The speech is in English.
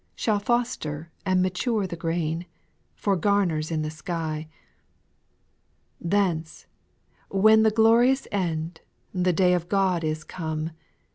Shall foster and mature the grain. For gamers in the sky. 7. Thence, when the glorious end, The day of God is come.